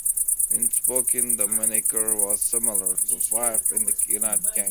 When spoken, the moniker was similar to Five in the United Kingdom.